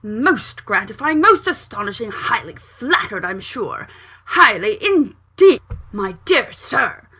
Most gratifying, most astonishing highly flattered I am sure; highly indeed, my dear Sir!